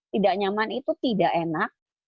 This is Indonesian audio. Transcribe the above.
tidak nyaman itu tidak enak